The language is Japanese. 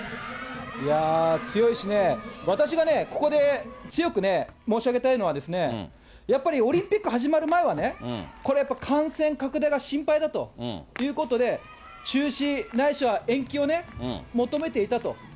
いやー、強いしね、私がね、ここで強くね、申し上げたいのはですね、やっぱりオリンピック始まる前はね、これやっぱ感染拡大が心配だということで、中止、ないしは延期をね、求めていたと。